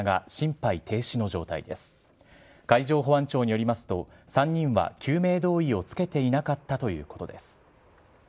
海上保安庁によりますと、３人は救命胴衣をつけていなかったということです。